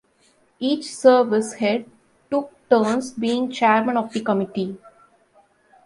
Each service head took turns being chairman of the committee.